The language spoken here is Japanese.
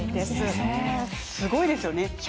すごいですよね。